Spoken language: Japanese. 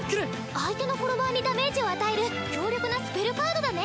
相手のフォロワーにダメージを与える強力なスペルカードだね。